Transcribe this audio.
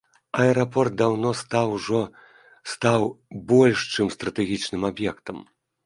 Аэрапорт даўно стаў ужо стаў больш чым стратэгічным аб'ектам.